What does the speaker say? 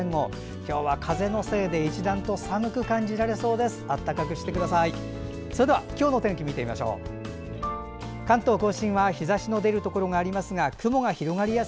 今日は風のせいで一段と寒く感じられそうです。